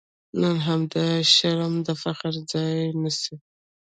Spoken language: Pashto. نن همدا شرم د فخر ځای نیسي.